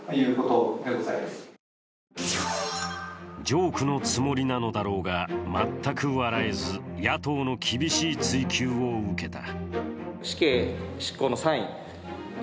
ジョークのつもりなのだろうが全く笑えず野党の厳しい追及を受けた。